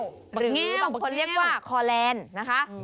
สูงเก้าหมากแงวบางคนเรียกว่าพ่อแลนด์นะคะ